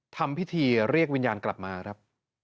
ทำพิธีเรียกวิญญาณกลับมาครับ